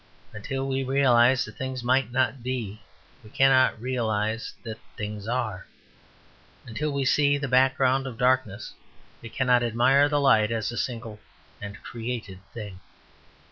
Until we realize that things might not be we cannot realize that things are. Until we see the background of darkness we cannot admire the light as a single and created thing.